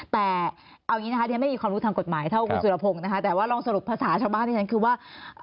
แต่เอาอย่างนี้นะคะที่ฉันไม่มีความรู้ทางกฎหมายเท่าคุณสุรพงศ์นะคะแต่ว่าลองสรุปภาษาชาวบ้านที่ฉันคือว่า